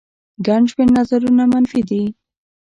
ګڼ شمېر نظرونه منفي دي